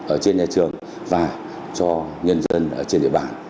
ở trên nhà trường và cho nhân dân trên địa bàn